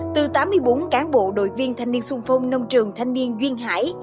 từ tám mươi bốn cán bộ đội viên thanh niên sung phong nông trường thanh niên duyên hải